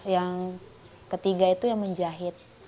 yang ketiga itu yang menjahit